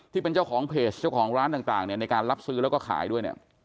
ที่เป็นเจ้าของเพจร้านต่างในการรับซื้อแล้วก็ขายด้วย